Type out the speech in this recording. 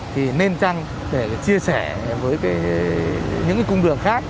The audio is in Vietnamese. thì nên chăng để chia sẻ với những cái cung đường khác